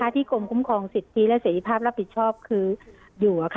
กรมคุ้มครองสิทธิและเสร็จภาพรับผิดชอบคืออยู่